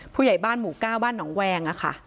ผู้หญ่บ้านหมูก้าวบ้านหนองแวง